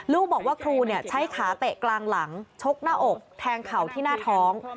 ลูกบอกว่าครูใช้ขาเตะกลางหลังชกหน้าอกแทงเข่าที่หน้าท้อง